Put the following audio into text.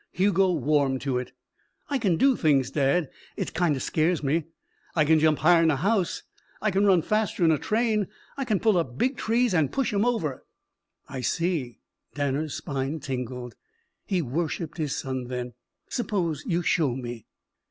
Hugo warmed to it. "I can do things, dad. It kind of scares me. I can jump higher'n a house. I can run faster'n a train. I can pull up big trees an' push 'em over." "I see." Danner's spine tingled. He worshipped his son then. "Suppose you show me."